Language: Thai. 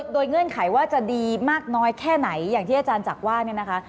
โดยเงื่อนไขว่าจะดีมากน้อยแค่ไหนอย่างที่อาจารย์จักรว่าเนี่ยนะคะ